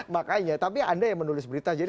makanya tapi anda yang menulis berita jadi